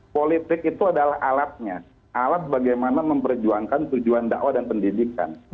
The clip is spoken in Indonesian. politik itu adalah alatnya alat bagaimana memperjuangkan tujuan dakwah dan pendidikan